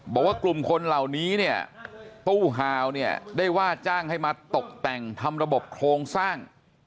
บอกว่ากลุ่มคนเหล่านี้เนี่ยตู้ฮาวเนี่ยได้ว่าจ้างให้มาตกแต่งทำระบบโครงสร้าง